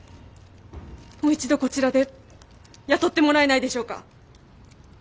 もう一度こちらで雇ってもらえないでしょうか？